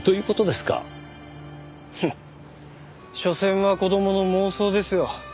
フッしょせんは子供の妄想ですよ。